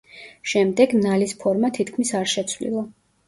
შემდეგ ნალის ფორმა თითქმის არ შეცვლილა.